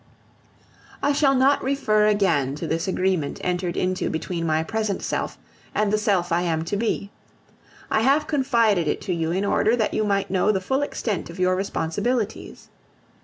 I shall not refer again to this agreement entered into between my present self and the self I am to be. I have confided it to you in order that you might know the full extent of your responsibilities.